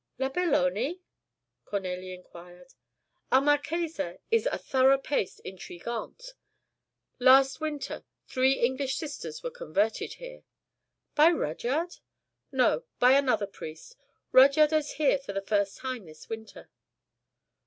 "La Belloni?" Cornélie enquired. "Our marchesa is a thorough paced intrigante. Last winter, three English sisters were converted here." "By Rudyard?" "No, by another priest. Rudyard is here for the first time this winter."